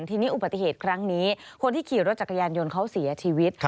ทีนี้อุบัติเหตุครั้งนี้คนที่ขี่รถจักรยานยนต์เขาเสียชีวิต